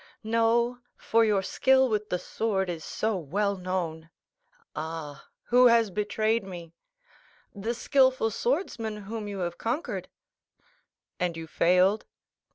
"No; for your skill with the sword is so well known." "Ah?—who has betrayed me?" "The skilful swordsman whom you have conquered." "And you failed?"